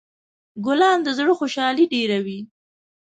ګلان د زړه خوشحالي ډېروي.